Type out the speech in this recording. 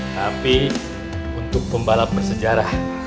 tapi untuk pembalap bersejarah